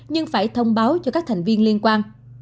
nhưng phải thông báo cho các thành viên liên quan